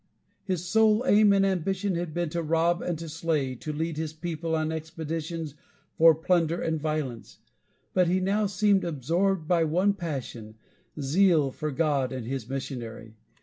His sole aim and ambition had been to rob and to slay, to lead his people on expeditions for plunder and violence, but he now seemed absorbed by one passion, zeal for God and his missionary.